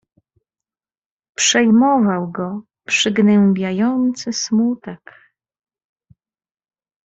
"Przejmował go przygnębiający smutek."